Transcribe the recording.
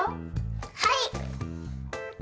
はい！